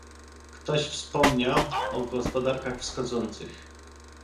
Ktoś wspomniał o gospodarkach wschodzących